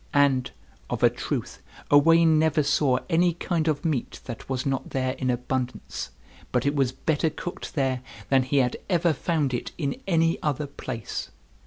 And, of a truth, Owain never saw any kind of meat that was not there in abundance, but it was better cooked there than he had ever found it in any other place.